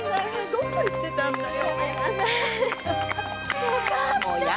どこ行ってたんだい。